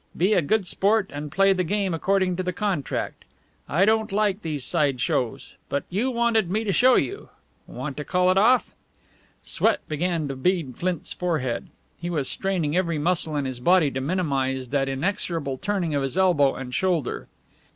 Be a good sport and play the game according to contract. I don't like these side shows. But you wanted me to show you. Want to call it off?" Sweat began to bead Flint's forehead. He was straining every muscle in his body to minimize that inexorable turning of his elbow and shoulder.